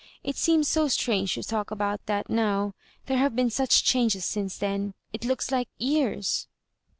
It seems so strange to tidk of that now ; there have been such changes since then — ^it looks like years."